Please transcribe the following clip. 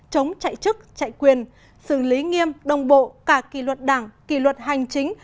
chống chạy chức chạy quyền xử lý nghiêm đồng bộ cả kỳ luật đảng kỳ luật hành chính